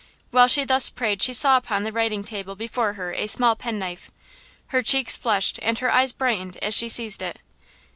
While she thus prayed she saw upon the writing table before her a small penknife. Her cheeks flushed and her eyes brightened as she seized it.